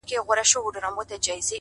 صدقه دي سم تر تكــو تــورو سترگو-